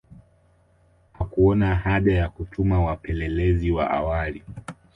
Hakuona haja ya kutuma wapelelezi wa awali